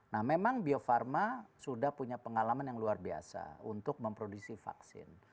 nah memang bio farma sudah punya pengalaman yang luar biasa untuk memproduksi vaksin